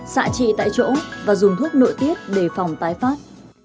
xạ trị tại chỗ và dùng thuốc nội tiết để phòng tái phát